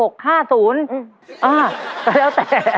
ก็แล้วแต่